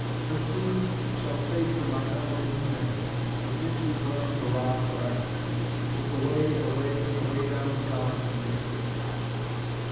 Her scenes shall fade from my memory never; For Dixie's land hurrah forever! Look away, away, away down South in Dixie.